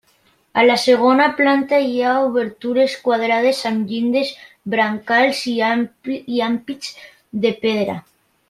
A la segona planta hi ha obertures quadrades amb llindes, brancals i ampits de pedra.